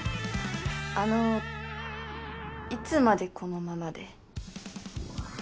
あのいつまでこのままで？